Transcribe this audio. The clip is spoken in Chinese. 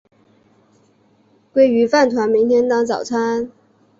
鲑鱼饭团明天当早餐